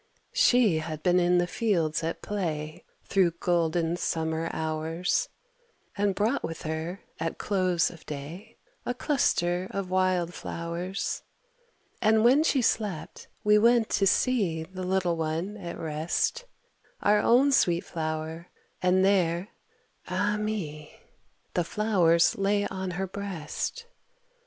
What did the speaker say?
She had been in the fields at play Through golden summer hours, And brought with her, at close of day, A cluster of wild flowers. And when she slept, we went to see The little one at rest, Our own sweet flower, and there, ah, me! The flowers lay on her breast.